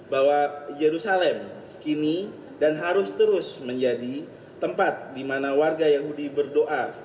bahwa yerusalem kini dan harus terus menjadi tempat di mana warga yahudi berdoa